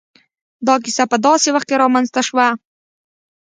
دا کيسه په داسې وخت کې را منځ ته شوه.